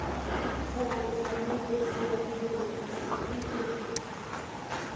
نۇرغۇن سەۋەنلىكلەرنى بىز سەۋەبىنى بىلمەسلىكتىن ئۆتكۈزىمىز.